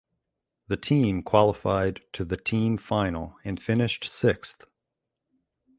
The team qualified to the team final and finished sixth.